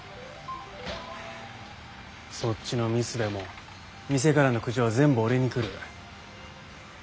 そっちのミスでも店からの苦情は全部俺に来る。